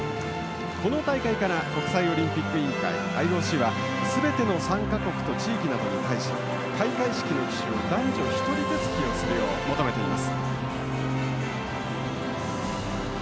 この大会から国際オリンピック委員会＝ＩＯＣは全ての参加国と地域などに対し開会式の旗手を男女１人ずつ起用するよう求めています。